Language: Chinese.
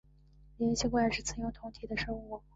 灵吸怪是雌雄同体的生物。